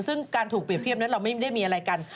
ซึ่งการถูกเปรียบเทียบนั้นเราไม่ได้มีอะไรกัน